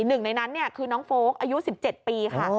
หนึ่งในนั้นคือน้องโฟลกอายุ๑๗ปีค่ะ